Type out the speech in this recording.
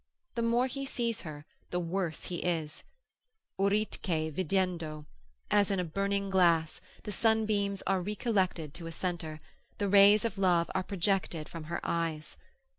The more he sees her, the worse he is,—uritque videndo, as in a burning glass, the sunbeams are re collected to a centre, the rays of love are projected from her eyes.